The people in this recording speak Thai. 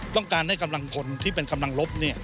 ต้องการให้กำลังคนที่เป็นกำลังลบ